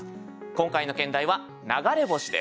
今回の兼題は「流れ星」です。